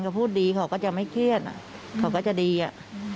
เขาก็จะไม่เครียดอ่ะเขาก็จะดีอะ